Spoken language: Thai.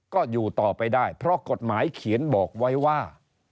ก็อยู่ต่อไปได้เพราะกฎหมายเขียนบอกไว้ว่า